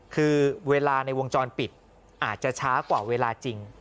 คือเวลาในวงจรปิดอาจจะช้ากว่าเวลาจริง